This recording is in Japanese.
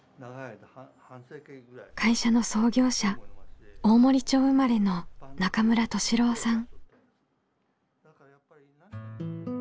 会社の創業者大森町生まれの中村俊郎さん。